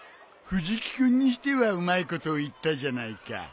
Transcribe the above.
藤木君にしてはうまいことを言ったじゃないか。